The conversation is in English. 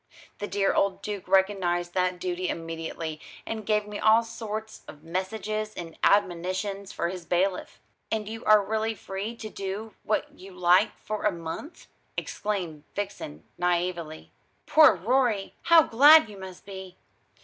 The dear old Duke recognised that duty immediately, and gave me all sorts of messages and admonitions for his bailiff." "And you are really free to do what you like for a month?" exclaimed Vixen naïvely. "Poor Rorie! How glad you must be!"